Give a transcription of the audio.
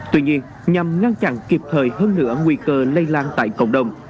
tuy nhiên nhằm ngăn chặn kịp thời hơn nữa nguy cơ lây lan tại cộng đồng